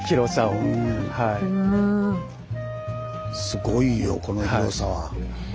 すごいよこの広さは。